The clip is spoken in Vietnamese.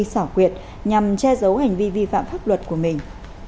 xảo quyệt nhằm che giấu hành vi vi phạm pháp luật của mình